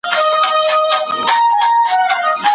دا څرګنده ده چي لارښود استاد باید یوازې کره کتونکی نه وي.